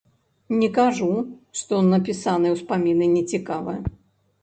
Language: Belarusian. Не кажу, што напісаны ўспаміны нецікава.